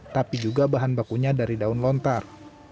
tapi juga bahan bakunya dari daun lontar